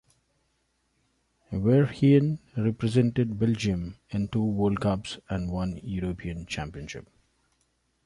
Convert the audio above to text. Verheyen represented Belgium in two World Cups and one European Championship.